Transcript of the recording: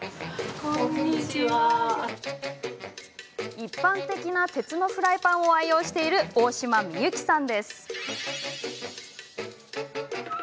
一般的な鉄のフライパンを愛用している、大島美雪さん。